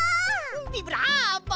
ビブラーボ！